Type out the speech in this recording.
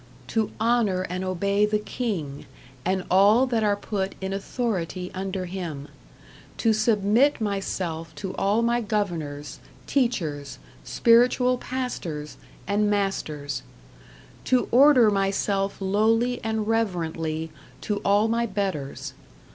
To honour and obey the King, and all that are put in authority under him; To submit myself to all my governours, teachers, spiritual pastors, and masters: To order myself lowly and reverently to all my betters....